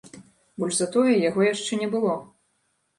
Больш за тое, яго яшчэ не было.